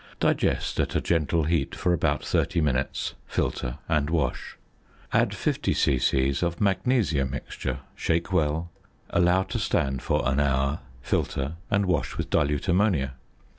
Digest at a gentle heat for about thirty minutes, filter, and wash. Add 50 c.c. of magnesia mixture, shake well, allow to stand for an hour, filter, and wash with dilute ammonia.